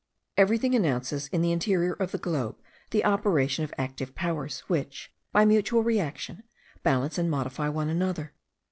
Everything announces in the interior of the globe the operation of active powers, which, by mutual reaction, balance and modify one another.